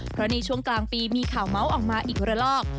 เพราะในช่วงกลางปีมีข่าวเมาส์ออกมาอีกระลอก